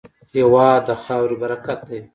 هېواد د خاورې برکت دی.